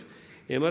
また、